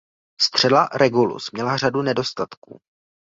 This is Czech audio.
Střela Regulus měla řadu nedostatků.